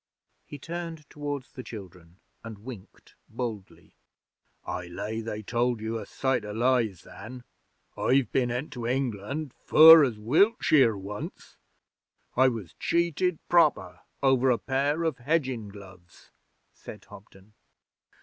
He turned towards the children and winked boldly. 'I lay they told you a sight o' lies, then. I've been into England fur as Wiltsheer once. I was cheated proper over a pair of hedgin' gloves,' said Hobden.